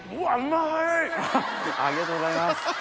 ありがとうございます。